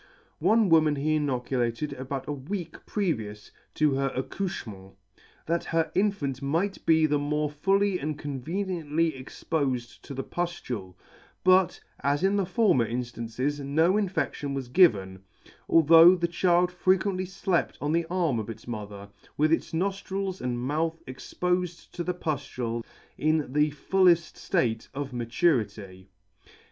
One woman he inoculated about a week previous to her accouchement, that her infant might be the more fully and conveniently expofed to the puftule ; but, as in the former inftances, no infedtion was given, although the child frequently flept on the arm of its mo ther, with its noflrils and mouth expofed to the puflule in the fulled; [ *75 ] fulleft flate of maturity.